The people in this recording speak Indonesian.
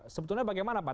sebetulnya bagaimana pak